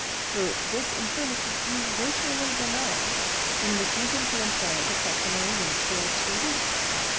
For, this infirmity you virtually deny, in refusing to employ the customary means for its relief.